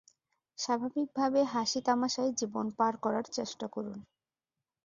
স্বাভাবিকভাবে হাসি-তামাশায় জীবন পার করার চেষ্টা করুন।